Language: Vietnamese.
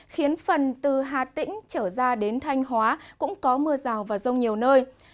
khiến phần từ hà tĩnh trở ra đến thanh hóa cũng có mưa rào và rông nhiều nơi